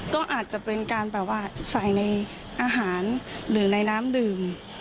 ก็อาจจะเป็นการแบบว่าใส่ในอาหารหรือในน้ำดื่ม